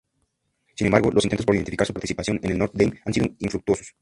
Sin embargo, los intentos por identificar su participación en Notre Dame han sido infructuosos.